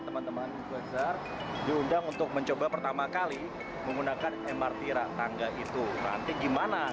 teman teman influencer diundang untuk mencoba pertama kali menggunakan mrt tangga itu nanti gimana